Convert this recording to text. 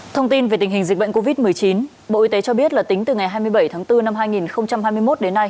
thông tin về tình hình dịch bệnh covid một mươi chín bộ y tế cho biết là tính từ ngày hai mươi bảy tháng bốn năm hai nghìn hai mươi một đến nay